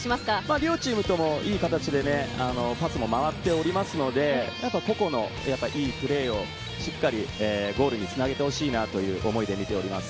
両チームとも、いい形でパスが回っていますので、個々のいいプレーをしっかりゴールにつなげてほしいという思いで見ています。